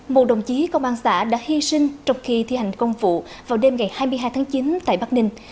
một đồng chí công an xã đã hy sinh trong khi thi hành công vụ vào đêm ngày hai mươi hai tháng chín tại bắc ninh